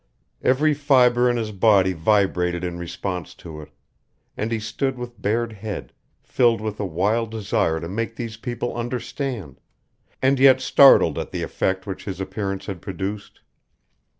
Every fiber in his body vibrated in response to it, and he stood with bared head, filled with a wild desire to make these people understand, and yet startled at the effect which his appearance had produced.